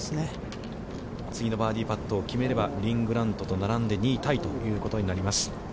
次のバーディーパットを決めれば、リン・グラントと並んで、２位タイということになります。